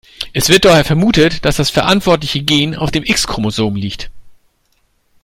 Es wird daher vermutet, dass das verantwortliche Gen auf dem X-Chromosom liegt.